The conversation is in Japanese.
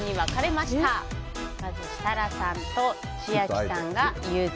まず設楽さんと千秋さんがユズ。